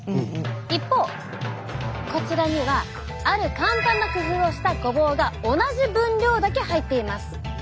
一方こちらにはある簡単な工夫をしたごぼうが同じ分量だけ入っています。